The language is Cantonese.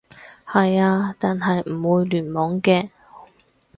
係啊，但係唔會聯網嘅